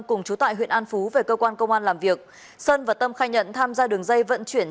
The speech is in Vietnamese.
cùng chú tại huyện an phú về cơ quan công an làm việc sơn và tâm khai nhận tham gia đường dây vận chuyển